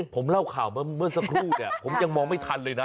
ผมเล่าข่าวเมื่อสักครู่เนี่ยผมยังมองไม่ทันเลยนะ